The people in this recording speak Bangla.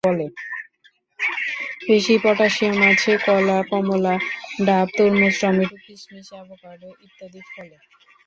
বেশি পটাশিয়াম আছে কলা, কমলা, ডাব, তরমুজ, টমেটো, কিশমিশ, অ্যাভোকেডো ইত্যাদি ফলে।